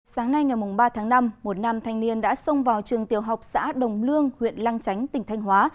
sáng nay ngày ba tháng năm một nam thanh niên đã xông vào trường tiểu học xã đồng lương huyện lang chánh tỉnh thanh hóa